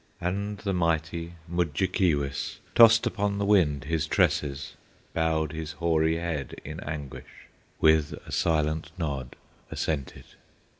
And the mighty Mudjekeewis Tossed upon the wind his tresses, Bowed his hoary head in anguish, With a silent nod assented.